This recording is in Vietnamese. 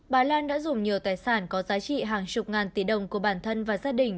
bà lan đã dùng nhiều tài sản có giá trị hàng chục ngàn tỷ đồng của bản thân và gia đình